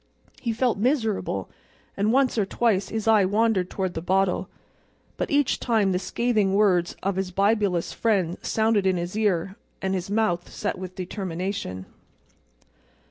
He felt miserable, and once or twice his eye wandered toward the bottle, but each time the scathing words of his bibulous friend sounded in his ear, and his mouth set with determination.